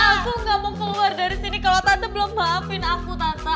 aku gak mau keluar dari sini kalau tante belum maafin aku tata